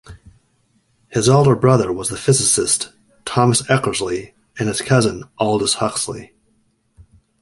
His elder brother was the physicist Thomas Eckersley; and his cousin, Aldous Huxley.